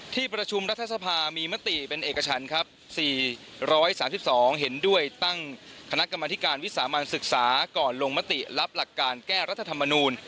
ที่ประชุมรัฐสภามีมติเป็นเอกชันครับ๔๓๒เห็นด้วยตั้งคณะกรรมธิการวิสามันศึกษาก่อนลงมติรับหลักการแก้รัฐธรรมนูล